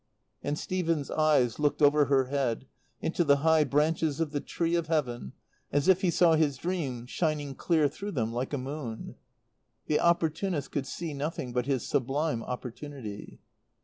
And Stephen's eyes looked over her head, into the high branches of the tree of Heaven, as if he saw his dream shining clear through them like a moon. The opportunist could see nothing but his sublime opportunity.